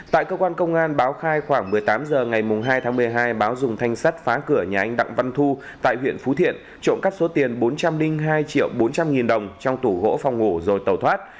tại cơ quan công an báo khai khoảng một mươi tám h ngày hai tháng một mươi hai báo dùng thanh sắt phá cửa nhà anh đặng văn thu tại huyện phú thiện trộm cắp số tiền bốn trăm linh hai triệu bốn trăm linh nghìn đồng trong tủ gỗ phòng ngủ rồi tàu thoát